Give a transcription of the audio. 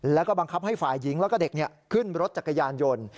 แล้วก็บังคับให้ฝ่ายหญิงแล้วก็เด็กขึ้นรถจักรยานยนต์